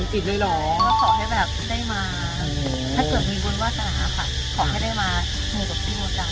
ตอนนั้นได้ดูรายการชัดท้าภาพาไปมุม